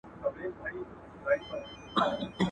ايا سياسي ډلي د ولس استازيتوب کوي؟